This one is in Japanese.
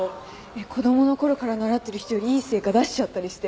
子供のころから習ってる人よりいい成果出しちゃったりして。